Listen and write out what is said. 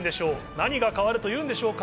何が変わるというんでしょうか。